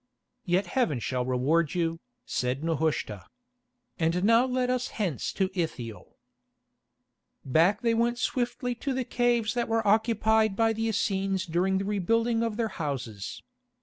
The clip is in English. "Yet Heaven shall reward you," said Nehushta. "And now let us hence to Ithiel." Back they went swiftly to the caves that were occupied by the Essenes during the rebuilding of their houses.